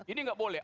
ini nggak boleh